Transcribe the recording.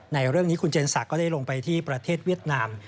ในเรื่องนี้คุณเจนศักดิ์ก็ได้ลงไปที่ประเทศเวียดนาม